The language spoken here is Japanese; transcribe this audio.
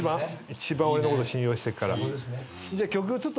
一番俺のこと信用してっから。